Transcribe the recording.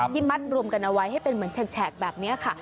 มัดรวมกันเอาไว้ให้เป็นเหมือนแฉกแบบนี้ค่ะ